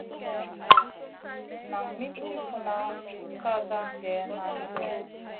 Nan min tiʼi funna kaʼa kaŋ gèh mamigèh?